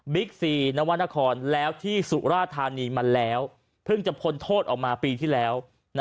ซีนวรรณครแล้วที่สุราธานีมาแล้วเพิ่งจะพ้นโทษออกมาปีที่แล้ว